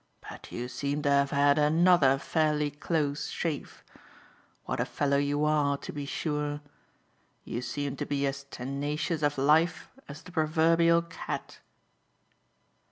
But you seem to have had another fairly close shave. What a fellow you are, to be sure! You seem to be as tenacious of life as the proverbial cat."